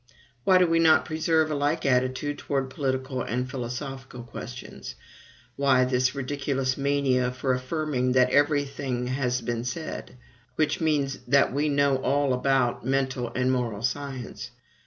Why do we not preserve a like attitude towards political and philosophical questions? Why this ridiculous mania for affirming that every thing has been said, which means that we know all about mental and moral science?